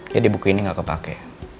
jadi buku ini gak kepake